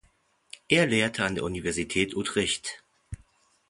Er lehrte an der Universität Utrecht.